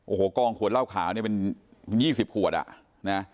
โอ้โหกองขวดเหล้าขาวเนี่ยเป็น๒๐ขวดอ่ะนะ